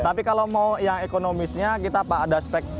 tapi kalau mau yang ekonomisnya kita ada spek yang lebih tinggi